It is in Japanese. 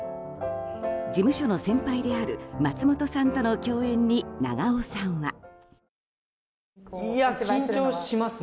事務所の先輩である松本さんとの共演に長尾さんは。